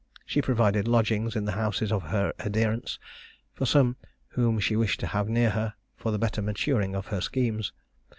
She provided lodgings in the houses of her adherents, for some whom she wished to have near her, for the better maturing of her schemes.